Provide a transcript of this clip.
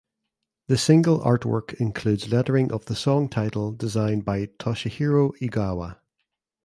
The single artwork includes lettering of the song title designed by Toshihiro Egawa.